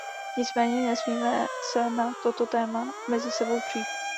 Nicméně, nesmíme se na toto téma mezi sebou přít.